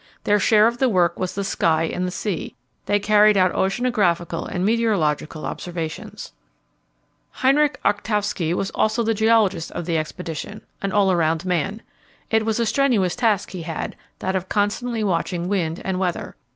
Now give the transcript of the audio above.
Their share of the work was the sky and the sea; they carried out oceanographical and meteorological observations. Henry Arçtowski was also the geologist of the expedition an all round man. It was a strenuous task he had, that of constantly watching wind and weather.